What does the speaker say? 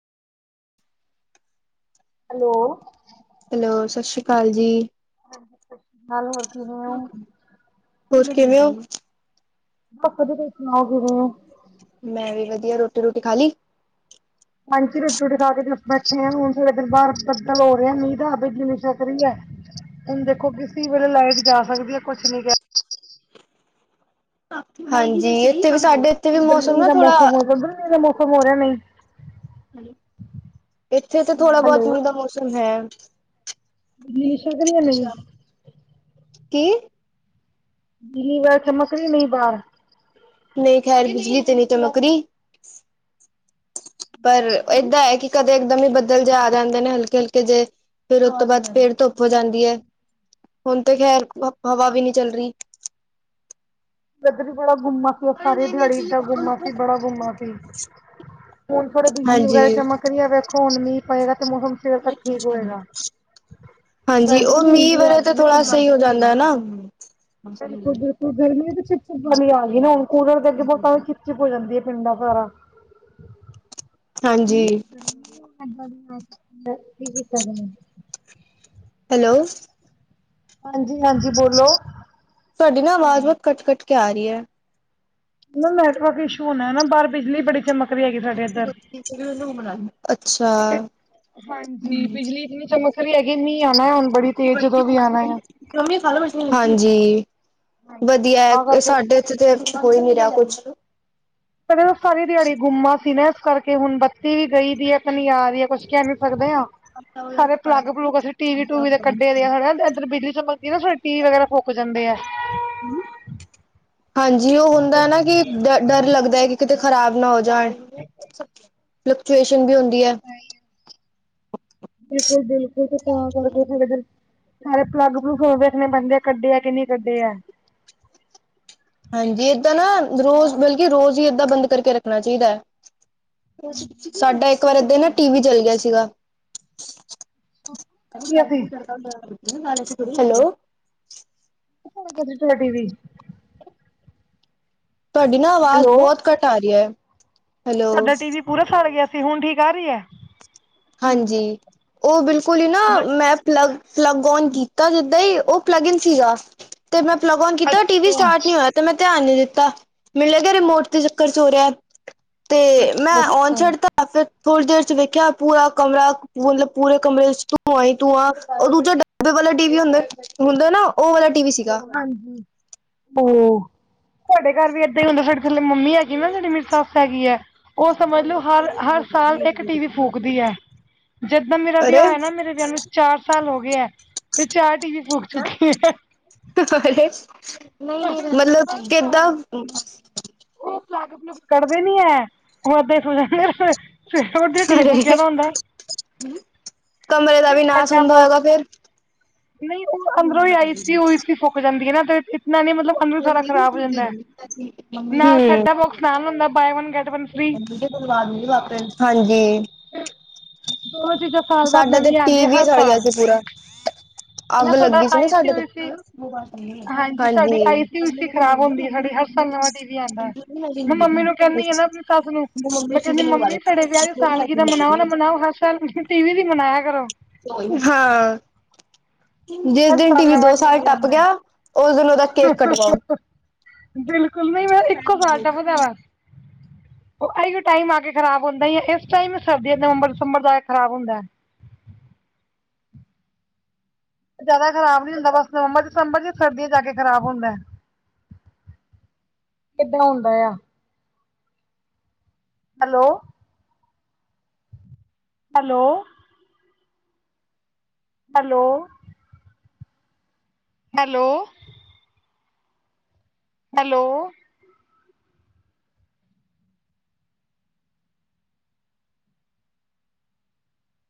Hello! Hello, ਸਤਿ ਸ੍ਰੀ ਅਕਾਲ ਜੀ। [inaudible] ਹੋਰ ਕਿਵੇਂ ਹੋ? ਬਸ ਵਧੀਆ, ਤੁਸੀਂ ਸੁਣਾਉ ਕਿਵੇਂ ਹੋ? ਮੈਂ ਵੀ ਵਧੀਆ, ਰੋਟੀ-ਰੁਟੀ ਖਾ ਲਈ। ਹਾਂਜੀ, ਰੋਟੀ-ਰੁਟੀ ਖਾ ਕੇ ਬਸ ਬੈਠੇ ਆ, ਹੁਣ ਥੋੜ੍ਹਾ ਦੇਰ ਬਾਹਰ ਬੱਦਲ ਹੋ ਰਿਹਾ ਮੀਂਹ ਦਾ, ਬਿਜਲੀ ਲਿਸ਼ਕ ਰਹੀ ਹੈ। ਹੁਣ ਦੇਖੋ, ਕਿਸੀ ਵੇਲੇ ਲਾਈਟ ਜਾ ਸਕਦੀ ਹੈ। ਕੁੱਛ ਨੀ ਕ ਹਾਂਜੀ, ਇੱਥੇ ਵੀ ਸਾਡੇ ਵੀ ਮੌਸਮ ਗਰਮੀ ਨਾ ਦਾ ਥੋੜਾ ਮੌਸਮ ਹੋ ਰਿਹਾ, ਉਧਰ ਮੀਂਹ ਦਾ ਮੌਸਮ ਹੋ ਰਿਹਾ ਨਹੀਂ ਇੱਥੇ ਤਾਂ, ਥੋੜਾ ਹੈਲੋ ਬਹੁਤ ਮੀਂਹ ਦਾ ਮੌਸਮ ਹੈ। ਬਿਜਲੀ ਲਿਸ਼ਕ ਰਹੀ ਹੈ, ਨਹੀਂ? ਕੀ? ਬਿਜਲੀ ਬਾਹਰ ਚਮਕ ਰਹੀ ਹੈ, ਨਹੀਂ ਬਾਹਰ ਨਹੀਂ ਖੈਰ, ਬਿਜਲੀ ਤੇ ਨੀ ਚਮਕ ਰਹੀ। ਪਰ ਏਦਾਂ ਹੈ ਕਿ, ਕਦੇ ਇਕਦਮ ਹੀ ਬੱਦਲ ਜ ਆ ਜਾਂਦੇ ਨੇ ਹਲਕੇ-ਹਲਕੇ ਜੇ ਫੇਰ ਉਹਤੋਂ ਬਾਅਦ ਫੇਰ ਧੁੱਪ ਹੋ ਜਾਂਦੀ ਹੈ, ਹੁਣ ਤਾਂ ਖੈਰ ਹਵਾ ਵੀ ਨਹੀਂ ਚੱਲ ਰਹੀ। ਇਧਰ ਵੀ ਬੜਾ ਗੁੰਮਾ ਸੀ। ਸਾਰੇ ਦਿਹਾੜੀ ਇਦਾਂ ਗੁੰਮਾ ਸੀ, ਬੜਾ ਗੁੰਮਾ ਸੀ। ਹੁਣ ਥੋੜਾ, ਬਿਜਲੀ ਹਾਂਜੀ ਵਗੈਰਾ ਚਮਕ ਰਹੀ ਹੈ, ਵੇਖੋ ਹੁਣ ਮੀਂਹ ਪਏਗਾ ਤੇ ਮੌਸਮ ਸਵੇਰ ਤੱਕ ਠੀਕ ਹੋਏਗਾ। ਹਾਂਜੀ, ਗਰਮੀ ਉਹ ਵੀ ਮੀਂਹ ਇੰਨੀ ਆ ਵਰੇ ਗਈ ਤਾਂ ਨਾ ਥੋੜਾ ਸਹੀ ਜਾਂਦਾ, ਹੈ ਨਾ ਬਿਲਕੁਲ-ਬਿਲਕੁਲ ਗਰਮੀ ਵੀ ਚਿਪ-ਚਿਪ ਵਾਲੀ ਆ ਗਈ ਨਾ ਹੁਣ, ਕੂਲਰ ਦੇ ਅੱਗੇ ਬਹੁਤਾ ਚ ਚਿੱਪ ਹੋ ਜਾਂਦੀ ਹੈ ਪਿੰਡਾਂ, ਸਾਰਾ ਹਾਂਜੀ [inaudible] ਹੈਲੋ। ਹਾਂਜੀ-ਹਾਂਜੀ, ਬੋਲੋ। ਤੁਹਾਡੀ ਨਾ ਆਵਾਜ਼, ਬਹੁਤ ਕੱਟ-ਕੱਟ ਕੇ ਆ ਰਹੀ ਹੈ। ਨੈਟਵਰਕ ਇਸ਼ੂ ਹੋਣਾ ਨਾ, ਬਾਹਰ ਬਿਜਲੀ ਬੜੀ ਚਮਕ ਰਹੀ ਹੈਗੀ ਸਾਡੇ ਇੱਧਰ ਅੱਛਾ। ਹਾਂਜੀ, ਬਿਜਲੀ ਇਤਨੀ ਚਮਕ ਰਈ ਹੈਗੀ ਮੀਂਹ ਆਉਣਾ ਹੁਣ ਬੜੀ ਤੇਜ਼ ਜਦੋਂ ਵੀ ਆਉਣਾ ਆ। [unintelligible] ਹਾਂਜੀ। ਵਧੀਆ ਤਾਂ ਐ ਕਰਕੇ ਸਾਡੇ ਹੋਈ ਨੀ ਰਿਹਾ ਕੁਛ। ਕਦੇ ਤਾਂ ਸਾਰੀ ਦਿਹਾੜੀ ਗੁੰਮਾ ਸੀ ਨਾ ਏਸ ਕਰਕੇ ਹੁਣ ਬੱਤੀ ਵੀ ਗਈ ਦੀ ਐ ਤਾਂ ਨੀ ਆ ਰਹੀ ਐ ਕੁਛ ਕਹਿ ਸਕਦੇ ਹਾਂ, ਸਾਰੇ ਪਲੱਗ -ਪਲੁਗ ਅਸੀ ਟੀਵੀ -ਟੂਵੀ ਦੇ ਕੱਢੇ ਦੇ ਆ, ਹੈਨਾ ਏਧਰ ਬਿਜਲੀ ਚਮਕਦੀ ਏ ਨਾ ਸਾਡੇ ਟੀਵੀ ਵਗੈਰਾ ਫੁਕ ਜਾਂਦੇ ਐ। ਹਾਂਜੀ ਓ ਹੁੰਦਾ ਐ ਨਾ, ਕਿ ਡ ਡਰ ਲੱਗਦਾ ਐ ਕਿ ਕਿਤੇ ਖ਼ਰਾਬ ਨਾ ਹੋ ਜਾਣ, ਫਲਕਚੁਏਸ਼ਨ ਵੀ ਹੁੰਦੀ ਐ। ਬਿਲਕੁਲ- ਬਿਲਕੁਲ, ਤੇ ਤਾਂ ਆ ਕਰਕੇ ਥੋੜੇ ਦਿਨ ਸਾਰੇ ਪਲੱਗ- ਪਲੁਗ ਵੇਖਣੇ ਪੈਂਦੇ ਐ, ਕੱਢੇ ਐ ਕਿ ਨਹੀਂ ਕੱਢੇ ਐ। ਹਾਂਜੀ, ਏਦਾਂ ਨਾ ਰੋਜ਼ ਬਲਕਿ ਰੋਜ਼ ਈ, ਏਦਾਂ ਬੰਦ ਕਰਕੇ ਰੱਖਣਾ ਚਾਹੀਦਾ ਐ। ਸਾਡਾ ਇਕ ਵਾਰ ਏਦਾਂ ਈ ਨਾ, ਟੀਵੀ ਜਲ ਗਿਆ ਸੀਗਾ। ਕੀ ਅਸੀਂ ਹੈਲੋ। [unintelligible] ਤੁਹਾਡੀ ਨਾ ਆਵਾਜ਼ ਹੈਲੋ ਬਹੁਤ ਘਟ ਆ ਰੀ ਏ। ਤੁਹਾਡਾ ਟੀਵੀ ਪੂਰਾ ਸੜ ਗਿਆ ਸੀ। ਹਣ ਠੀਕ ਆ ਰਹੀ ਹੈ। ਹਾਂਜੀ। ਉਹ ਬਿਲਕੁਲ ਹੀ ਨਾ ਮੈਂ ਪਲੱਗ ਪਲੱਗ ਓਨ ਕੀਤਾ। ਜਿੱਦਾਂ ਹੀ ਉਹ ਪਲੱਗ ਇਨ ਸੀਗਾ ਤੇ ਮੈਂ ਪਲੱਗ ਓਨ ਕੀਤਾ ਟੀ ਵੀ ਅੱਛਾ ਸਟਾਰਟ ਨਹੀਂ ਹੋਇਆ। ਤੇ ਮੈਂ ਧਿਆਨ ਨੀ ਦਿੱਤਾ ਮੈਨੂੰ ਲਗਿਆ ਰਿਮੋਟ ਤੇ ਚੱਕਰ ਚ ਹੋ ਰਿਆ ਐ। ਤੇ ਮੈਂ ਅੱਛਾ ਓਨ ਅੱਛਾ ਛੱਡਤਾ ਫਿਰ ਥੋੜ੍ਹੀ ਦੇਰ ਚ ਵੇਖ ਖਿਆ ਪੂਰਾ ਕਮਰਾ ਮਤਲਬ ਪੂਰੇ ਕਮਰੇ ਚ ਧੁਆਂ ਈ ਧੁਆਂ ਓਰ ਓਦੋਂ ਦੂਜਾ ਡਬੇ ਵਾਲਾ ਟੀ ਵੀ ਹੁੰਦਾ ਐ ਹੁੰਦਾ ਨਾ ਓ ਵਾਲਾ ਟੀ ਵੀ ਸੀਗਾ। ਹਾਂਜੀ। ਓ ਤੁਹਾਡੇ ਘਰ ਵੀ ਏਦਾਂ ਈ ਹੁੰਦਾ ਸਾਡੇ ਥੱਲੇ ਮੰਮੀ ਹੈਗੀ ਨਾ ਜੇਹੜੀ ਮੇਰੀ ਸੱਸ ਹੈਗੀ ਐ। ਓ ਸਮਝ ਲਓ ਹਰ ਹਰ ਸਾਲ ਏਕ ਟੀ ਵੀ ਫੂਕਦੀ ਐ। ਜਿੱਦਾਂ ਮੇਰਾ ਵਿਆਹ ਅਰੇ ਹੋਇਆ ਨਾ ਮੇਰੇ ਵਿਆਹ ਨੂੰ ਚਾਰ ਸਾਲ ਹੋ ਗਏ ਐ ਤੇ ਚਾਰ ਟੀ ਵੀ ਫੂਕ ਚੁੱਕੀ ਐ। ਨਈ ਨਈ ਮਤਲਬ ਕਿਦਾਂ? ਕੱਢਦੇ ਨੀ ਏ ਓਹ ਐਦਾਂ ਹੀ ਸੋ ਜਾਂਦੇ ਸਵੇਰੇ ਉਠਦੇ ਟੀ ਵੀ ਫੂਕਿਆ ਅਰੇ ਦਾ ਹੁੰਦਾ ਐ। ਕਮਰੇ ਦਾ ਵੀ ਨਾਸ ਹੁੰਦਾ ਹੋਏਗਾ ਫੇਰ। ਨਈ ਓਹ ਅੰਦਰੋਂ ਹੀ ਆਈ ਸੀ ਉ ਸੀ ਫੁਕ ਜਾਂਦੀ ਏ ਨਾ ਤੇ ਇਤਨਾ ਨੀ ਮਤਲਬ ਅੰਦਰੋਂ ਸਾਰਾ ਖਰਾਬ ਹੋ ਜਾਂਦਾ ਐ। [unintelligible] ਹੁੰਦਾ buy one get one free [unintelligible] ਹਾਂਜੀ ਓ ਚੀਜ਼ਾਂ ਸਾਲ ਬਾਦ ਸਾਡਾ ਤੇ ਨਵੀਆਂ ਆਂਦੀਆਂ ਟੀਵੀ ਹਰ ਸੜ ਗਿਆ ਸਾਲ। ਸੀ ਪੂਰਾ, ਅੱਗ ਨਾ ਤੁਹਾਡਾ ਲੱਗੀ ਨਾ ਆਈ ਸੀ ਸਾਡੇ ਤੇ, ਊ ਸੀ ਹਾਂਜੀ ਸਾਡੀ ਆਈ ਸੀ ਊ ਸੀ ਖਰਾਬ ਹੁੰਦੀ ਐ ਸਾਡੀ [unintelligible] ਟੀ ਵੀ ਆਂਦਾ ਐ। ਮੈਂ ਮੰਮੀ ਨੂੰ ਕਹਿੰਨੀ ਆ ਨਾ ਆਪਣੀ ਸੱਸ ਨੂੰ ਮੈਂ ਕਹਿੰਨੀ ਮੰਮੀ ਸਾਡੇ ਵਿਆਹ ਦੀ ਸਾਲ ਗਿਰਾ ਮਨਾਓ ਨਾ ਮ ਹਾ ਹਰ ਸਾਲ ਟੀ ਵੀ ਦੀ ਮਨਾਇਆ ਕਰੋ। ਹਾਂ। ਜਿਸ ਹਰ ਦਿਨ ਟੀ ਸਾਲ ਵੀ ਨਵਾਂ ਦੋ ਸਾਲ ਟੀਵੀ ਟੱਪ ਆਂਦਾ ਗਿਆ ਐ। ਓਸ ਦਿਨ ਔਦਾ ਬਿਲਕੁਲ ਨਈ ਵ ਇੱਕੋ ਸਾਲ ਟੱਪਦਾ ਵਾ। [unintelligible] ਓ ਐਈਓ ਟਾਈਮ ਆ ਕੇ ਖਰਾਬ ਹੁੰਦਾ ਹੈ ਯਾ ਏਸ ਟਾਈਮ ਸਰਦੀ ਨਵੰਬਰ ਦਸੰਬਰ ਚ ਆ ਕੇ ਖਰਾਬ ਹੁੰਦਾ ਐ। ਜਾਦਾ ਖਰਾਬ ਨੀ ਹੁੰਦਾ ਬਸ ਨਵੰਬਰ ਦਸੰਬਰ ਚ ਸਰਦੀਆਂ ਜਾ ਕੇ ਖਰਾਬ ਹੋਦਾ ਐ। ਕਿੱਦਾਂ ਹੁੰਦਾ ਏਆ। Hello. Hello. Hello. Hello. Hello.